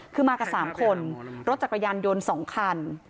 คือมากับสามคนรถเจคระยันยนต์๒คัน